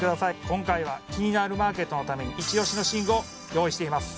今回は「キニナルマーケット」のためにイチオシの寝具を用意しています